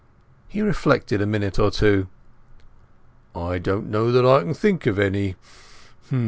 He reflected a minute or two. "I don't know that I can think of any.